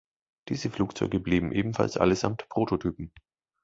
Diese Flugzeuge blieben ebenfalls allesamt Prototypen.